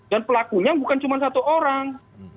dan pelakunya bukan cuma satu orang